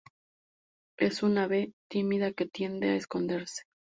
Es un ave tímida que tiende a esconderse.